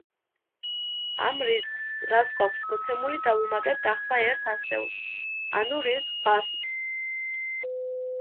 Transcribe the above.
ამ რიცხვს, რაც გვაქვს მოცემული დავუმატებთ ახლა ერთ ასეულს — ანუ რიცხვ ასს.